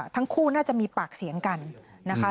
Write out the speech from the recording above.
ทั้งคู่น่าจะมีปากเสียงกันนะคะ